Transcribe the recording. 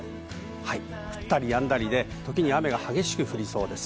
はい、降ったり止んだりで、ときに雨が激しく降りそうです。